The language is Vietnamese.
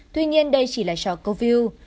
tuy nhiên đây chỉ là cho câu view